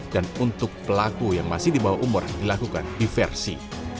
dan untuk pelaku yang masih di bawah umur dilakukan diversi